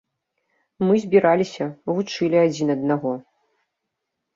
Мы збіраліся, вучылі адзін аднаго.